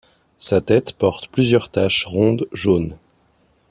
Sa tête porte plusieurs taches rondes jaunes.